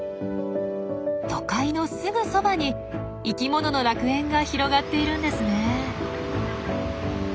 都会のすぐそばに生きものの楽園が広がっているんですねえ。